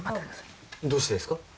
どうしてですか？